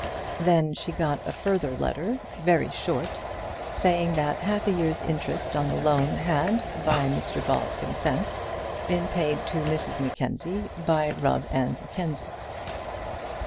Then she got a further letter, very short, saying that a half year's interest on the loan had, by Mr Ball's consent, been paid to Mrs Mackenzie by Rubb and Mackenzie.